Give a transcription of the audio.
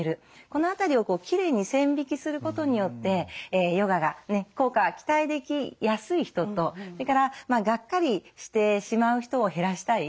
この辺りをきれいに線引きすることによってヨガがね効果が期待できやすい人とそれからがっかりしてしまう人を減らしたい。